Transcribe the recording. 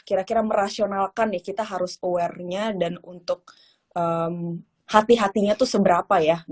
kira kira merasionalkan nih kita harus aware nya dan untuk hati hatinya tuh seberapa ya